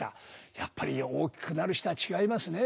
やっぱり大きくなる人は違いますね。